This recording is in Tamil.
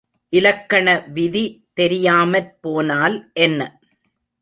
இலக்கண விதி தெரியாமற் போனால் என்ன?